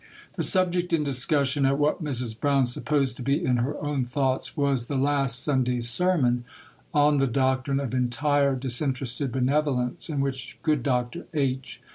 The subject in discussion, and what Mrs. Brown supposed to be in her own thoughts, was the last Sunday's sermon, on the doctrine of entire Disinterested Benevolence, in which good Doctor H.